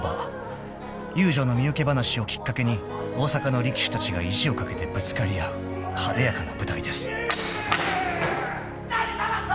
［遊女の身請け話をきっかけに大阪の力士たちが意地をかけてぶつかり合う派手やかな舞台です］